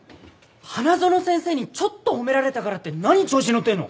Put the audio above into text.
花園先生にちょっと褒められたからって何調子乗ってんの？